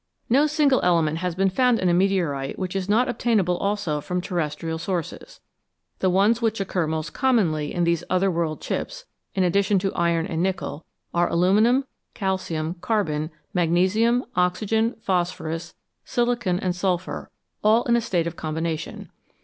No single element has been found in a meteorite which is not obtainable also from terrestrial sources. The ones which occur most commonly in these other world chips, in addition to iron and nickel, are aluminium, calcium, carbon, magnesium, oxygen, phosphorus, silicon, and sulphur, all in a state of combination.